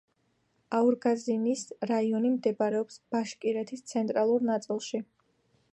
აურგაზინის რაიონი მდებარეობს ბაშკირეთის ცენტრალურ ნაწილში.